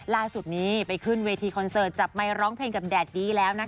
ล่าสุดนี้ไปขึ้นเวทีคอนเสิร์ตจับไมค์ร้องเพลงกับแดดดี้แล้วนะคะ